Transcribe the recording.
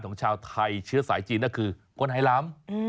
ของชาวไทยเชื้อสายจีนนั่นคือคนไฮลัม